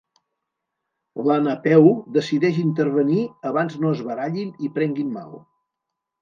La Napeu decideix intervenir, abans no es barallin i prenguin mal.